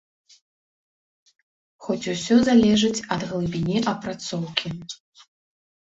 Хоць усё залежыць ад глыбіні апрацоўкі.